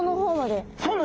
そうなんです。